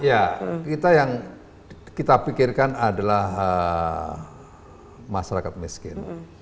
ya kita yang kita pikirkan adalah masyarakat miskin